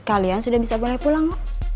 kalian sudah bisa boleh pulang